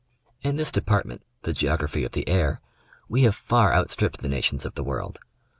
In this department, the Geography of the Air, we have far out stripped the nations of the world.